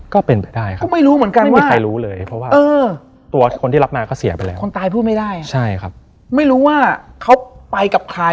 ก็เป็นไปได้